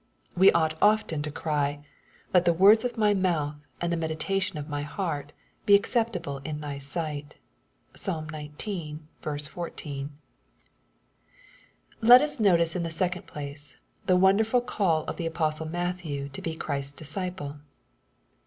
We ought often to cry, " Let tho words of my mouth, and the meditation of my heart bo acceptable in thy sight." (Psalm xix. 14.) Let us notice in the second place, the wonderful ccUl of the apostle Matthew to be Chrisfa disciple.